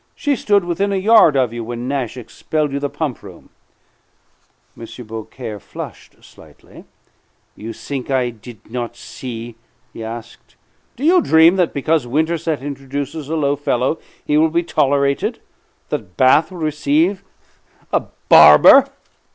She stood within a yard of you when Nash expelled you the pump room." M. Beaucaire flushed slightly. "You think I did not see?" he asked. "Do you dream that' because Winterset introduces a low fellow he will be tolerated that Bath will receive a barber?"